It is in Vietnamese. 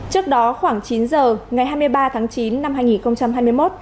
trước đó khoảng chín giờ ngày hai mươi ba tháng chín năm hai nghìn hai mươi một